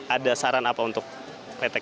ada saran apa untuk retek